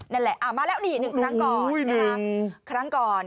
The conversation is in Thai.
นั่นแหละอามาแล้วแซยอีกน้ำเพราะหนึ่งครั้งก่อน